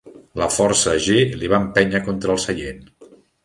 La força g li va empènyer contra el seient.